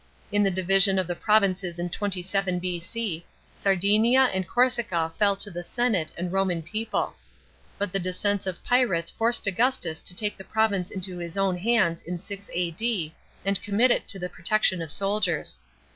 In the division of the provinces in 27 B.C., Sardinia and Corsica fell to the senate and Roman people ; but the descents of pirates forced Augustus to take the province into his own hands in 6 A.D., and commit it to the protection of soldiers.